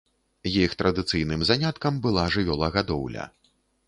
Іх традыцыйным заняткам была жывёлагадоўля.